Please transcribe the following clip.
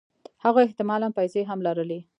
هغوی احتمالاً پیسې هم لرلې